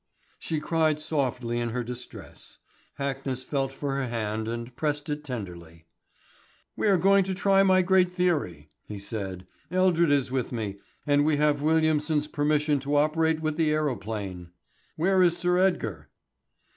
She cried softly in her distress. Hackness felt for her hand and pressed it tenderly. "We are going to try my great theory," he said. "Eldred is with me, and we have got Williamson's permission to operate with the aerophane. Where is Sir Edgar?"